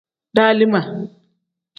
Dalima.